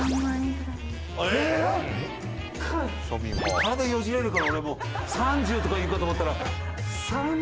体よじれるから俺３０とか言うかと思ったら３万？